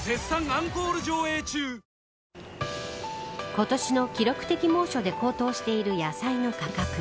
今年の記録的猛暑で高騰している野菜の価格。